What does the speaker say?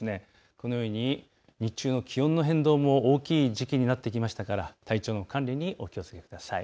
このように日中の気温の変動も大きい時期になってきましたから体調の管理にお気をつけください。